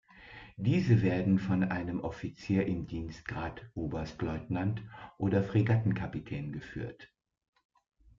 Diese werden von einem Offizier im Dienstgrad Oberstleutnant oder Fregattenkapitän geführt.